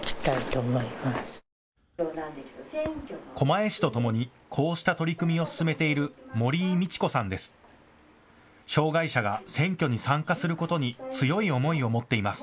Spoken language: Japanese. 狛江市と共にこうした取り組みを進めている森井道子さんです。